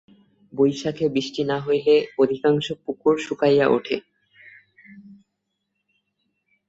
বৈশাখে বৃষ্টি না হইলে অধিকাংশ পুকুর শুকাইয়া ওঠে।